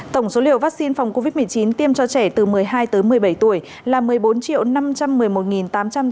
tổng số liều vaccine phòng covid một mươi chín tiêm cho trẻ từ một mươi hai tới một mươi bảy tuổi là một mươi bốn năm trăm một mươi một tám trăm tám mươi bốn